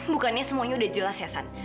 bukannya semuanya udah jelas ya san